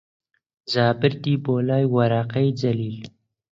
جا بردی بۆلای وەرەقەی جەلیل